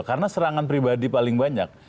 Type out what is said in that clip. karena serangan pribadi paling banyak